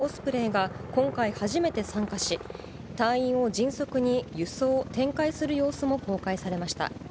オスプレイが、今回初めて参加し、隊員を迅速に輸送、展開する様子も公開されました。